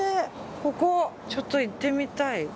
ここ、ちょっと行ってみたい。